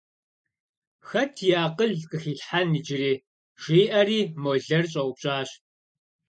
Хэт и акъыл къыхилъхьэн иджыри, – жиӀэри молэр щӀэупщӀащ.